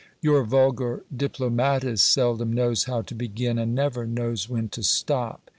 Your vulgar diplomatist seldom knows how to begin, and never knows when to stop.